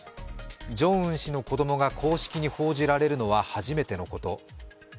ジョンウン氏の子供が公式に報じられるのは初めてのこと。